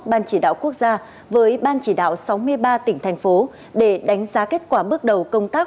ban chỉ đạo quốc gia với ban chỉ đạo sáu mươi ba tỉnh thành phố để đánh giá kết quả bước đầu công tác